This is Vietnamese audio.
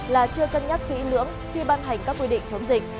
là chưa cân nhắc kỹ lưỡng khi ban hành các quy định chống dịch